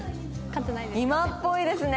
今っぽいですね！